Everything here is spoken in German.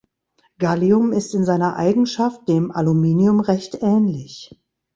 Gallium ist in seinen Eigenschaft dem Aluminium recht ähnlich.